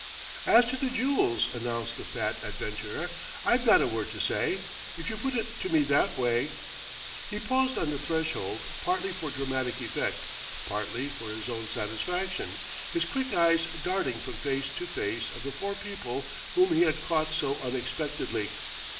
"As to the jewels," announced the fat adventurer, "I've got a word to say, if you put it to me that way." He paused on the threshold, partly for dramatic effect, partly for his own satisfaction, his quick eyes darting from face to face of the four people whom he had caught so unexpectedly.